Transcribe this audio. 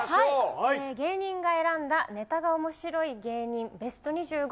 芸人が選んだネタが面白い芸人ベスト２５。